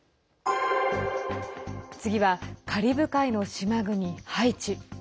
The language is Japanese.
次はカリブ海の島国ハイチ。